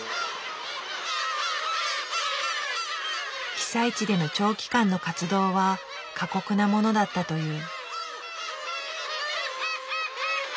被災地での長期間の活動は過酷なものだったという。